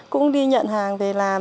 cũng đi nhận hàng về làm